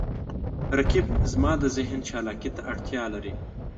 رقیب زما د ذهن چالاکي ته اړتیا لري